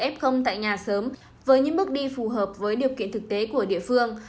f tại nhà sớm với những bước đi phù hợp với điều kiện thực tế của địa phương